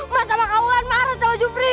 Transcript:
masa bang aulan marah sama jepri